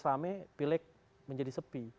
ramai pilreg menjadi sepi